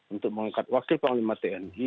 untuk mengangkat wakil panglima tni